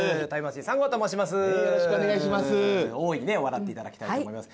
大いにね笑っていただきたいと思います